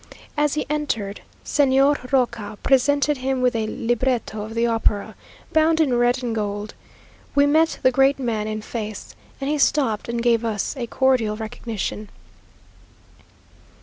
As he entered, Señor Roca presented him with a libretto of the opera, bound in red and gold. We met the great man en face, and he stopped, and gave us a cordial recognition.